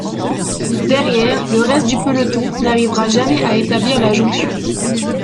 Derrière, le reste du peloton n'arrivera jamais à établir la jonction.